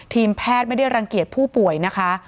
ทีมแพทย์ไม่ได้รังเกียจผู้ป่วยนะคะ